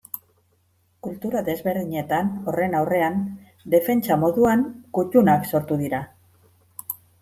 Kultura desberdinetan horren aurrean, defentsa moduan, kutunak sortu dira.